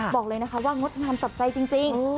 บอกเลยนะคะว่างดงามจับใจจริง